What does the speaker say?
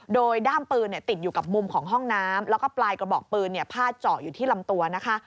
โดยด้ามปืนติดอยู่กับมุมของห้องน้ำแล้วก็ปลายกระบอกปืนพาดเจาะอยู่ที่ลำตัวนะคะ